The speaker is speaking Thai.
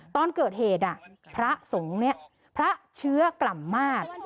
ตอนเกิดเหตุพระสงฆ์เนี่ยพระเชื้อกล่ำมาตร